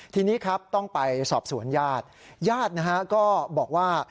ทีนี้ครับต้องไปสอบสวนญาติญาตินะฮะก็บอกว่า